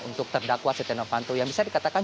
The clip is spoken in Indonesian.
untuk terdakwa setianovanto yang bisa dikatakan